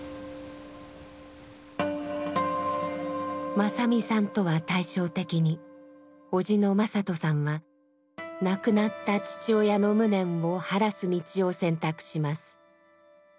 正実さんとは対照的に叔父の正人さんは亡くなった父親の無念を晴らす道を選択します。